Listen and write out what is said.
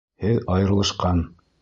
Һеҙ айырылышҡан.